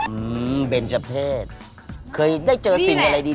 อืมเบนเจอร์เพศเคยได้เจอสิ่งอะไรดี